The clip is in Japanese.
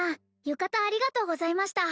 浴衣ありがとうございました